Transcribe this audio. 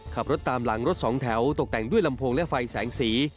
ขับรถตามหลังรถสองแถวตกแต่งด้วยลำโพงและไฟแสงสี